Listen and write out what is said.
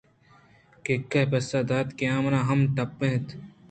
ککّ ءَ پسّہ دات آ منا ہم ٹَپّ اَنت